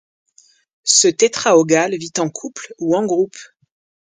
Ce tétraogalle vit en couple ou en groupes.